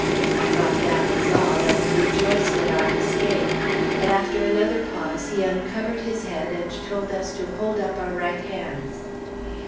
I thought that was all, and rejoiced at our escape. But after another pause he uncovered his head and told us to hold up our right hands.